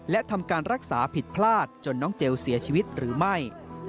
และทำการรักษาผิดพลาดจนน้องเจลเสียชีวิตหรือไม่